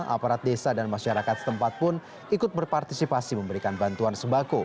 aparat desa dan masyarakat setempat pun ikut berpartisipasi memberikan bantuan sembako